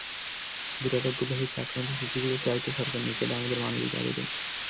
দুরারোগ্য ব্যাধিতে আক্রান্ত শিশুগুলোর দায়িত্ব সরকার নিক, এটা আমাদের মানবিক আবেদন।